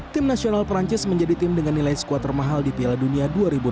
tim nasional perancis menjadi tim dengan nilai squad termahal di piala dunia dua ribu delapan belas